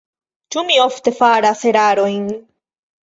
Ĉu mi ofte faras erarojn?